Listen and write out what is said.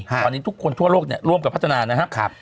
ตอนนี้ทุกคนทั่วโลกเนี่ยร่วมกับพัฒนานะครับ